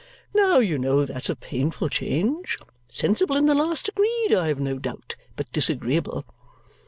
Now you know that's a painful change sensible in the last degree, I have no doubt, but disagreeable.